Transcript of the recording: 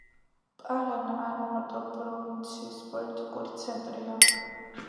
პარანა არა მარტო პროვინციის პოლიტიკური ცენტრია.